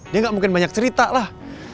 dia gak mungkin banyak cerita lah